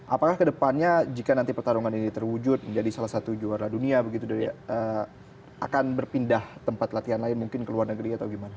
apakah kedepannya jika nanti pertarungan ini terwujud menjadi salah satu juara dunia begitu dari akan berpindah tempat latihan lain mungkin ke luar negeri atau gimana